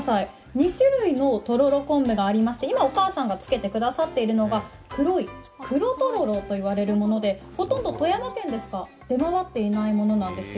２種類のとろろ昆布がありまして今、お母さんがつけてくださってるのが、黒い黒とろろと言われるものでほとんど富山県でしか出回っていないものなんですよ。